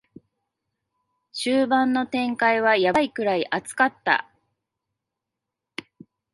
終盤の展開はヤバいくらい熱かった